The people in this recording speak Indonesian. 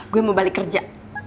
gue mau balik kerja